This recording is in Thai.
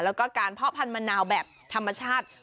แล้วก็การเพาะพันธมะนาวแบบธรรมชาติ